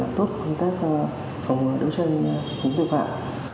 làm tốt công tác phòng đấu tranh phòng tội phạm